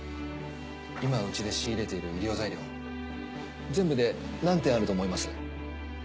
今うちで仕入れている医療材料全部で何点あると思います？